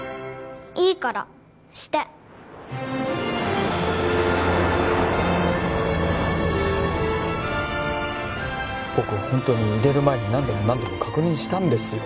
いいからして僕はホントに入れる前に何度も何度も確認したんですよ